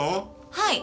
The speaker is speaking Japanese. はい。